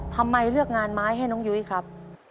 ทำไมเลือกงานไม้ให้น้องยุ้ยครับ